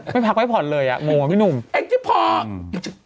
ไม่พักไว้ผ่อนเลยอ่ะโอพี่นุ่มเอ้ยนี่พออืม